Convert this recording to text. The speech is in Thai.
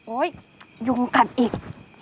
โอ๊ยยุงกัดอีก